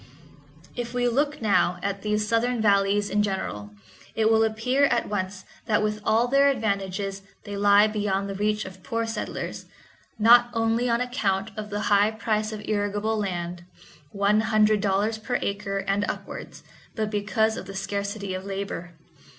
If we look now at these southern valleys in general, it will appear at once that with all their advantages they lie beyond the reach of poor settlers, not only on account of the high price of irrigable land—one hundred dollars per acre and upwards—but because of the scarcity of labor.